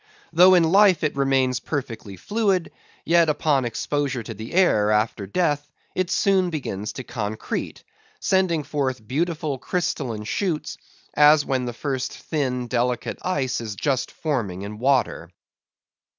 Though in life it remains perfectly fluid, yet, upon exposure to the air, after death, it soon begins to concrete; sending forth beautiful crystalline shoots, as when the first thin delicate ice is just forming in water.